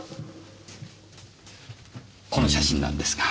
この写真なんですが。